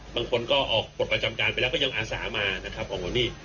บางคนก็ออกปลดประจำการไปแล้วก็ยังอาสามานะครับออกมานี่